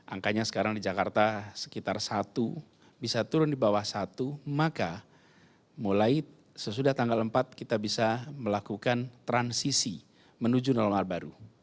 angkanya sekarang di jakarta sekitar satu bisa turun di bawah satu maka mulai sesudah tanggal empat kita bisa melakukan transisi menuju normal baru